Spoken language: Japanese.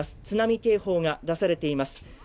津波警報が出されています。